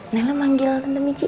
nela manggil tentang iji